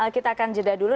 kita akan jeda dulu